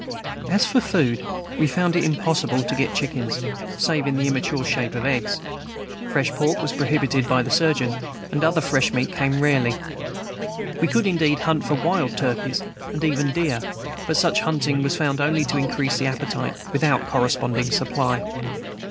As for food, we found it impossible to get chickens, save in the immature shape of eggs; fresh pork was prohibited by the surgeon, and other fresh meat came rarely. We could, indeed, hunt for wild turkeys, and even deer, but such hunting was found only to increase the appetite, without corresponding supply.